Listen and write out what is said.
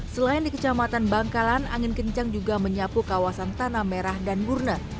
selain di kecamatan bangkalan angin kencang juga menyapu kawasan tanah merah dan burne